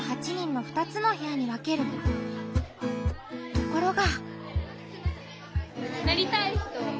ところが。